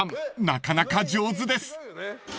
なかなか上手です］